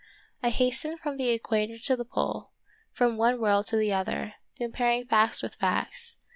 I hastened from the equator to the pole, from one world to the other, comparing facts with facts.